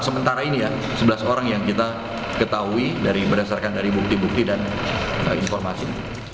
sementara ini ya sebelas orang yang kita ketahui berdasarkan dari bukti bukti dan informasi